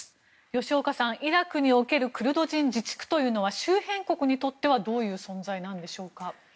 吉岡さん、イラクにおけるクルド人自治区というのは周辺国にとってはどういう存在でしょうか。